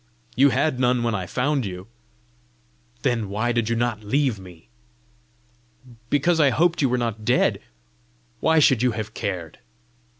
"You had none when I found you." "Then why did you not leave me?" "Because I hoped you were not dead." "Why should you have cared?"